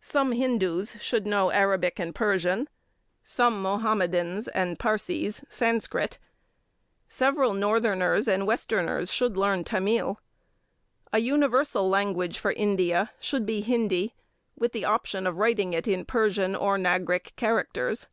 Some Hindus should know Arabic and Persian; some Mahomedans and Parsees, Sanskrit. Several Northerners and Westerners should learn Tamil. A universal language for India should be Hindi, with the option of writing it in Persian or Nagric characters.